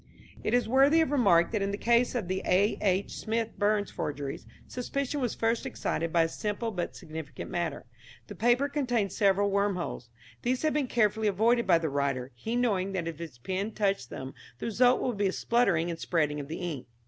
It is worthy of remark that in the case of the A. H. Smith Burns forgeries, suspicion was first excited by a simple but significant matter. The paper contained several worm holes. These had been carefully avoided by the writer, he knowing that if his pen touched them the result would be a spluttering and spreading of the ink.